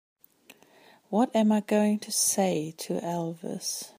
What am I going to say to Elvis?